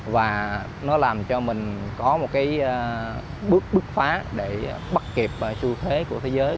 và nó làm cho mình có một cái bước bứt phá để bắt kịp xu thế của thế giới